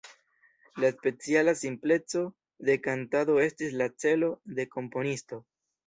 La speciala simpleco de kantado estis la celo de komponisto.